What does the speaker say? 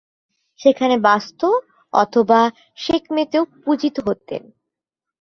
সেখানে বাস্ত/সেখমেতও পূজিত হতেন।